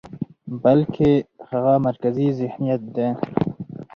بلکې هغه مرکزي ذهنيت دى،